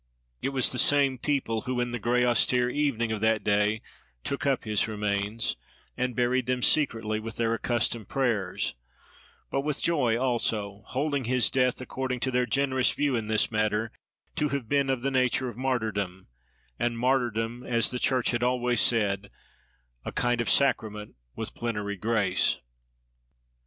It was the same people who, in the gray, austere evening of that day, took up his remains, and buried them secretly, with their accustomed prayers; but with joy also, holding his death, according to their generous view in this matter, to have been of the nature of martyrdom; and martyrdom, as the church had always said, a kind of sacrament with plenary grace.